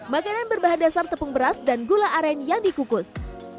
makanan berbahan dasar tepung beras dan gula aren yang dikukus